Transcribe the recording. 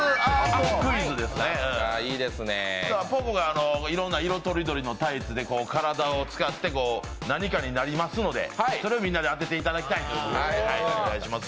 歩子がいろいろな色とりどりのタイツで体を使って何かになりますので、それをみんなで当てていただきたいと思います。